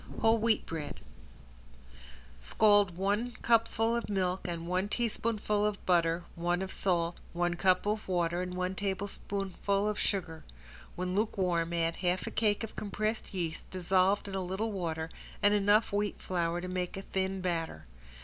~WHOLE WHEAT BREAD~ Scald one cupful of milk and one teaspoonful of butter, one of salt, one cup of water and one tablespoonful of sugar. When lukewarm add half a cake of compressed yeast dissolved in a little water and enough wheat flour to make a thin batter.